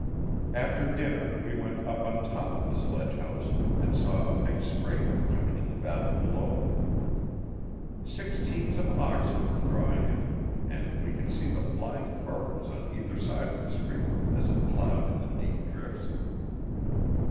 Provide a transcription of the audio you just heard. After dinner we went up on top of the sledgehouse and saw a big scraper coming in the valley below. Six teams of oxen were drawing it, and we could see the flying furrows on either side of the scraper as it ploughed in the deep drifts.